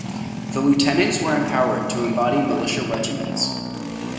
The lieutenants were empowered to embody militia regiments.